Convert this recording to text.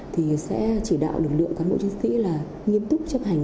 thì sẽ chỉ đạo lực lượng cán bộ chiến sĩ là nghiêm túc chấp hành